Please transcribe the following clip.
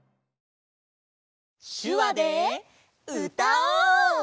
しゅわでうたおう！